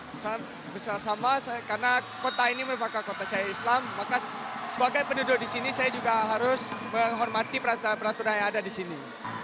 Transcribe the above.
bersama sama karena kota ini merupakan kota saya islam maka sebagai penduduk di sini saya juga harus menghormati peraturan peraturan yang ada di sini